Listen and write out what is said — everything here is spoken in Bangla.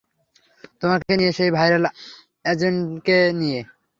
তোমাকে নিয়ে, সেই ভাইরাল অ্যাজেন্টকে নিয়ে।